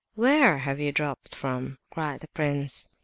"Where have you dropped from?" cried the prince.